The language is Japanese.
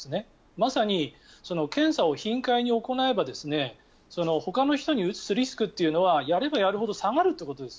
まさに検査を頻回に行えばほかの人にうつすリスクというのはやればやるほど下がるということです